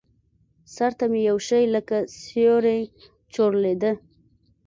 سر ته مې يو شى لکه سيورى چورلېده.